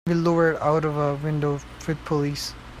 We'll lower it out of the window with pulleys.